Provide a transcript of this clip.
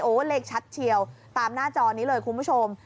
เลขชัดเชียวตามหน้าจอนี้เลยคุณผู้ชม